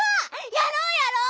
やろうやろう！